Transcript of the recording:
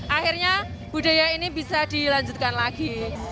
akhirnya budaya ini bisa dilanjutkan lagi